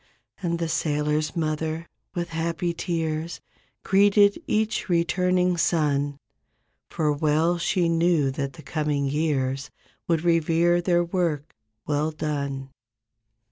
And the sailors' mother, with happy tears Greeted each returning son For well she knew that the coming years Would revere their work, well done.